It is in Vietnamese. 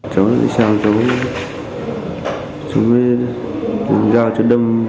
chúng tôi đi xeo chúng tôi mới giao cho đâm